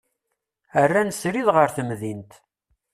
Rran srid ɣer temdint.